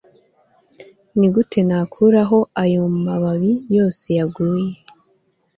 Nigute nakuraho ayo mababi yose yaguye